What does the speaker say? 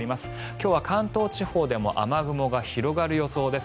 今日は関東地方でも雨雲が広がる予想です。